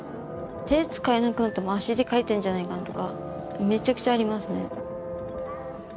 手使えなくなっても足で描いてるんじゃないかなとかめちゃくちゃありますね。